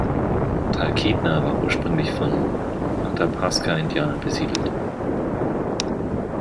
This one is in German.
Talkeetna war ursprünglich von Athapaska-Indianern besiedelt.